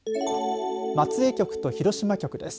松江局と広島局です。